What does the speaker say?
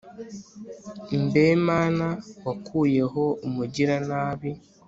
mbe mana, wakuyeho umugiranabi